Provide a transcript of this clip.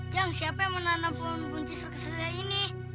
jang siapa yang menanam pohon kunci saya ini